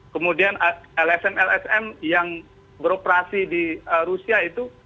kemudian lsm lsm yang beroperasi di rusia itu